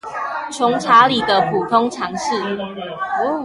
窮查理的普通常識